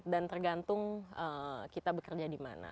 dan tergantung kita bekerja di mana